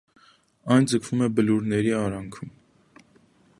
Այն ձգվում է բլուրների արանքում։